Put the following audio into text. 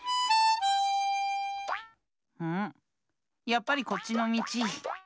やっぱりこっちのみち！